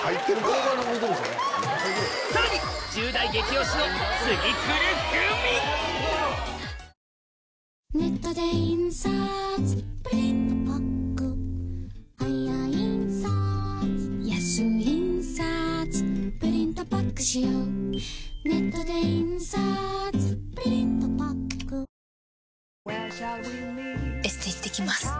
さらに１０代激推しの次くるグミエステ行ってきます。